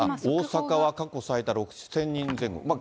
大阪は過去最多６０００人前後。